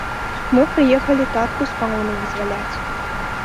Мы прыехалі татку з палону вызваляць.